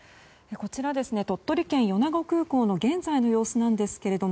こちら、鳥取県米子空港の現在の様子なんですけれども